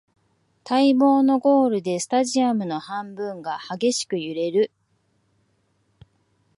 待望のゴールでスタジアムの半分が激しく揺れる